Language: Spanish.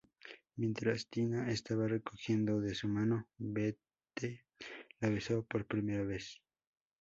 Mientras Tina estaba recogiendo de su mano, Bette la besó por primera vez.